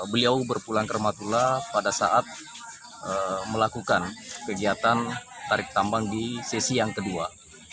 beliau berpulang ke rematula pada saat melakukan kegiatan tarik tambang di sesi yang kedua